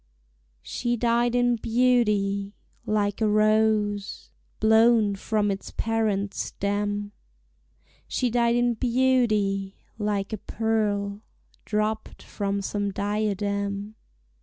She died in beauty, like a rose Blown from its parent stem; She died in beauty, like a pearl Dropped from some diadem.